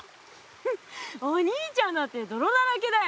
フフお兄ちゃんだってどろだらけだよ。